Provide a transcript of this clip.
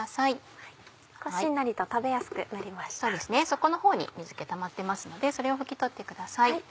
底のほうに水気たまってますのでそれを拭き取ってください。